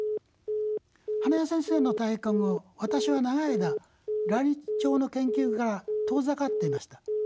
羽田先生の退官後私は長い間ライチョウの研究から遠ざかっていました。